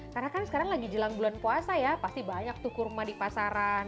karena kan sekarang lagi jelang bulan puasa ya pasti banyak tuh kurma di pasaran